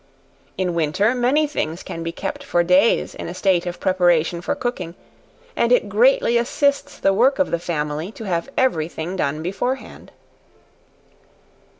In winter, many things can be kept for days in a state of preparation for cooking; and it greatly assists the work of the family, to have every thing done beforehand.